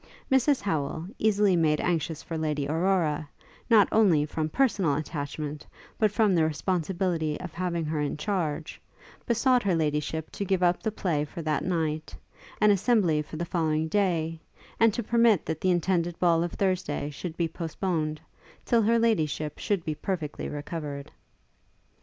Mrs Howel, easily made anxious for Lady Aurora, not only from personal attachment, but from the responsibility of having her in charge, besought Her Ladyship to give up the play for that night, an assembly for the following, and to permit that the intended ball of Thursday should be postponed, till Her Ladyship should be perfectly recovered.